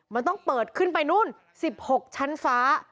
มันต้องเปิดขึ้นไปนู่น๑๖ชั้นฟ้า